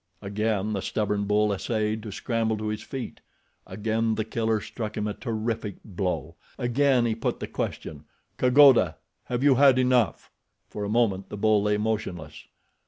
Again the stubborn bull essayed to scramble to his feet. Again The Killer struck him a terrific blow. Again he put the question, kagoda—have you had enough? For a moment the bull lay motionless.